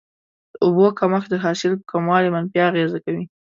د اوبو کمښت د حاصل په کموالي منفي اغیزه کوي.